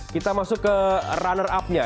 kita masuk ke runner upnya